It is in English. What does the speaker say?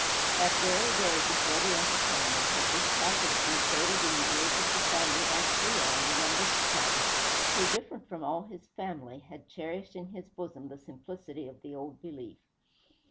That very day, before the entertainment, had this passage been quoted in the ears of the family by Cleon, the youngest son, who, different from all his family, had cherished in his bosom the simplicity of the old belief.